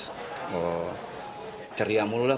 terus ceria mulu lah